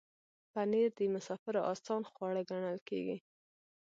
پنېر د مسافرو آسان خواړه ګڼل کېږي.